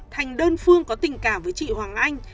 thành đơn phương có tình cảm với chị hoàng anh